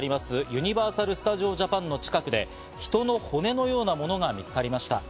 ユニバーサル・スタジオ・ジャパンの近くで人の骨のようなものが見つかりました。